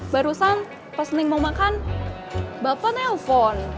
barusan pas neng mau makan bapak nelfon